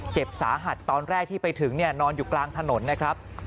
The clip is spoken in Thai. เจ็บสาหัสตอนแรกที่ไปถึงเนี่ยนอนอยู่กลางถนนนะครับ